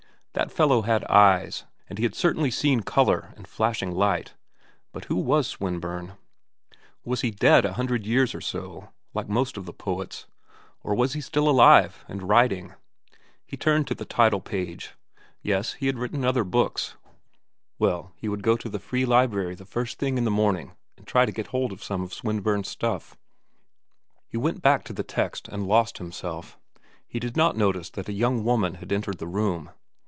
That fellow had eyes, and he had certainly seen color and flashing light. But who was Swinburne? Was he dead a hundred years or so, like most of the poets? Or was he alive still, and writing? He turned to the title page ... yes, he had written other books; well, he would go to the free library the first thing in the morning and try to get hold of some of Swinburne's stuff. He went back to the text and lost himself. He did not notice that a young woman had entered the room.